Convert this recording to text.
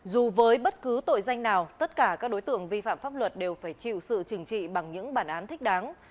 dù với bất cứ tội danh nào tất cả các đối tượng vi phạm pháp luật đều phải chịu sự trừng trị bằng những bản án thích đáng